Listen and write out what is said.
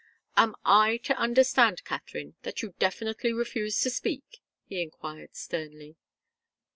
"Am I to understand, Katharine, that you definitely refuse to speak?" he enquired, sternly.